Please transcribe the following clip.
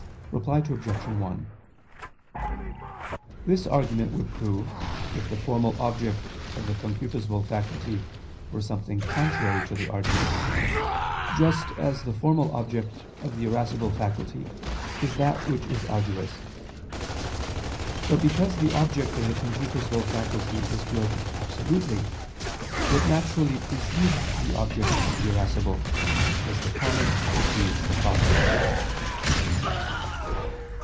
Reply Obj. 1: This argument would prove, if the formal object of the concupiscible faculty were something contrary to the arduous, just as the formal object of the irascible faculty is that which is arduous. But because the object of the concupiscible faculty is good absolutely, it naturally precedes the object of the irascible, as the common precedes the proper.